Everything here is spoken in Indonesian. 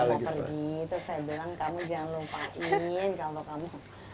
kalau pergi itu saya bilang kamu jangan lupain kalau kamu